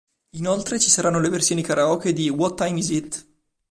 Inoltre ci saranno le versioni karaoke di "What Time Is It?